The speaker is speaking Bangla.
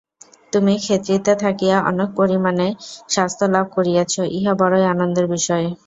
তুমি খেতড়িতে থাকিয়া অনেক পরিমাণে স্বাস্থ্যলাভ করিয়াছ, ইহা বড়ই আনন্দের বিষয়।